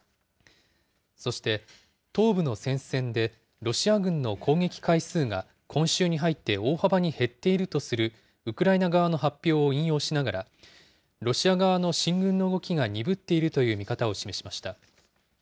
そして東部の戦線でロシア軍の攻撃回数が今週に入って大幅に減っているとするウクライナ側の発表を引用しながら、ロシア側の進軍の動きが鈍っているという見方を示しました。